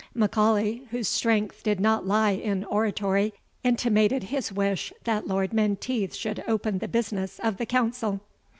M'Aulay, whose strength did not lie in oratory, intimated his wish that Lord Menteith should open the business of the council.